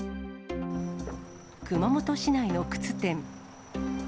熊本市内の靴店。